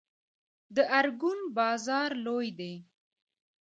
د ارګون بازار لوی دی